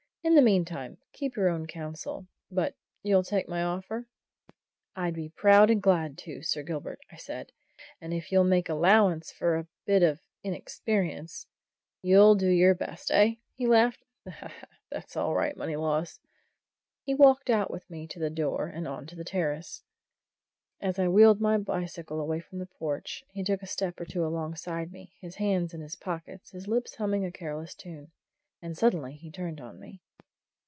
In the meantime, keep your own counsel. But you'll take my offer?" "I'd be proud and glad to, Sir Gilbert," said I. "And if you'll make allowance for a bit of inexperience " "You'll do your best, eh?" he laughed. "That's all right, Moneylaws." He walked out with me to the door, and on to the terrace. And as I wheeled my bicycle away from the porch, he took a step or two alongside me, his hands in his pockets, his lips humming a careless tune. And suddenly he turned on me.